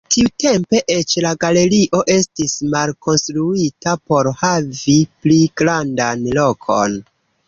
Tiutempe eĉ la galerio estis malkonstruita por havi pli grandan lokon.